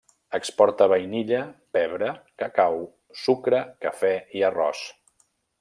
Exporta vainilla, pebre, cacau, sucre, cafè i arròs.